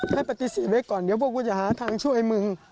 ให้ปฏิเสธไว้ก่อนเดี๋ยวพวกกูจะหาทางช่วยมึง